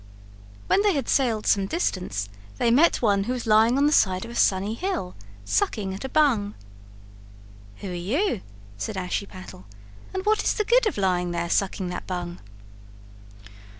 When they had sailed some distance they met one who was lying on the side of a sunny hill, sucking at a bung. "Who are you," said Ashiepattle, "and what is the good of lying there sucking that bung?"